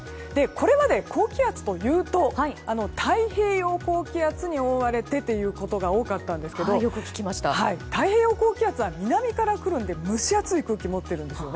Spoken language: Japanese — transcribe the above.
これまで高気圧というと太平洋高気圧に覆われてということが多かったんですけど太平洋高気圧は南からくるので蒸し暑い空気を持っているんです。